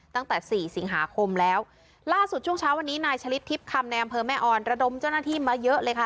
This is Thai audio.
ตั้งแต่สี่สิงหาคมแล้วล่าสุดช่วงเช้าวันนี้นายชะลิดทิพย์คำในอำเภอแม่ออนระดมเจ้าหน้าที่มาเยอะเลยค่ะ